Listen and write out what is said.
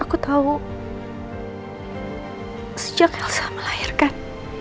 aku tahu sejak elsa melahirkan